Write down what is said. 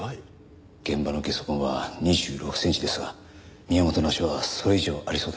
現場のゲソ痕は２６センチですが宮本の足はそれ以上ありそうです。